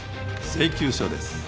請求書です。